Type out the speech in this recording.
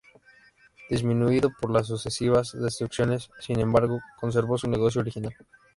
Disminuido por las sucesivas destrucciones, sin embargo, conservó su negocio original.